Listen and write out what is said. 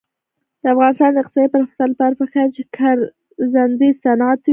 د افغانستان د اقتصادي پرمختګ لپاره پکار ده چې ګرځندوی صنعت وي.